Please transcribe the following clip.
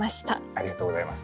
ありがとうございます。